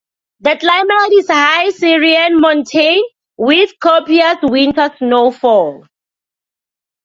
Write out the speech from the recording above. The climate is high Sierran montane with copious winter snowfall.